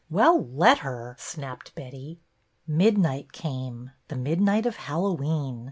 " Well, let her !" snapped Betty. Midnight came, the midnight of Hallow e'en.